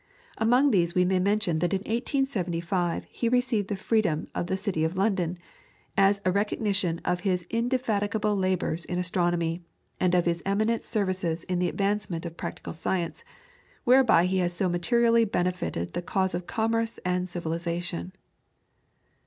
Among these we may mention that in 1875 he received the freedom of the City of London, "as a recognition of his indefatigable labours in astronomy, and of his eminent services in the advancement of practical science, whereby he has so materially benefited the cause of commerce and civilisation."